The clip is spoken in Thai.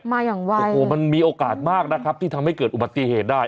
มาอย่างว่าโอ้โหมันมีโอกาสมากนะครับที่ทำให้เกิดอุบัติเหตุได้